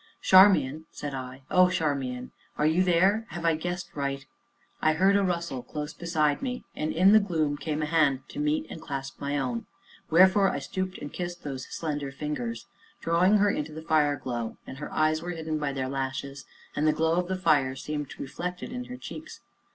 "Charmian!" said I, "oh, Charmian, are you there have I guessed right?" I heard a rustle close beside me, and, in the gloom, came a hand to meet and clasp my own; wherefore I stooped and kissed those slender fingers, drawing her into the fireglow; and her eyes were hidden by their lashes, and the glow of the fire seemed reflected in her cheeks.